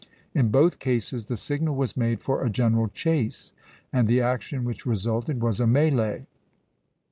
In both cases the signal was made for a general chase, and the action which resulted was a mêlée.